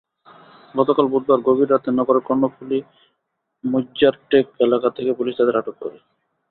গতকাল বুধবার গভীর রাতে নগরের কর্ণফুলী মইজ্জারটেক এলাকা থেকে পুলিশ তাঁদের আটক করে।